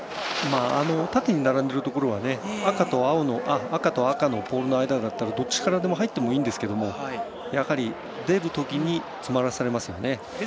縦に並んでいるところは赤と赤のポールの間ならどっちからでも入っていいんですけどやはり出るときに詰まらされますよね。